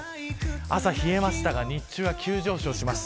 朝冷えましたが日中は急上昇します。